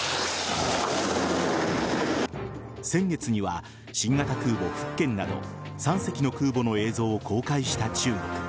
先月には新型空母「福建」など３隻の空母の映像を公開した中国。